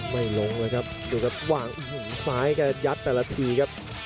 ไม่ลงเลยครับว่างหุ่นซ้ายให้กระยัดแต่ละทีครับ